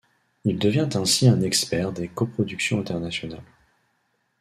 Il devient ainsi un expert des coproductions internationales.